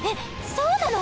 そうなの！？